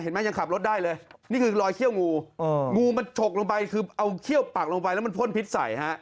ยังขับรถได้เลยนี่คือรอยเขี้ยวงูงูงูมันฉกลงไปคือเอาเขี้ยวปักลงไปแล้วมันพ่นพิษใส่ฮะ